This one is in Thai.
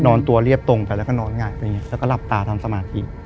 นอนตัวเรียบตรงไปแล้วก็นอนหงายไปอย่างนี้แล้วก็หลับตาทำสมาธิ